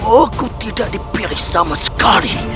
aku tidak dipilih sama sekali